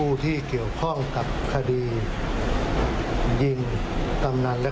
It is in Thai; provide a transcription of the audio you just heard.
ยอดมณีบรรพภศในกรณีเรื่องยาเสพติด